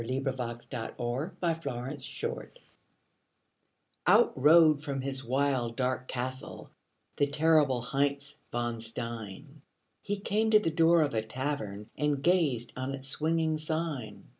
_ THE LEGEND OF HEINZ VON STEIN Out rode from his wild, dark castle The terrible Heinz von Stein; He came to the door of a tavern And gazed on its swinging sign.